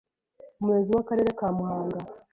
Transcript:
Umuyobozi w’Akarere ka Muhanga